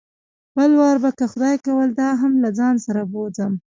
بل وار به که خدای کول دا هم له ځان سره بوځم.